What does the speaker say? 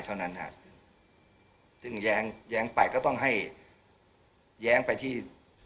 เท่านั้นฮะซึ่งแย้งแย้งไปก็ต้องให้แย้งไปที่